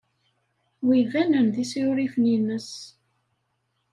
Wi banen d isurifen-nnes.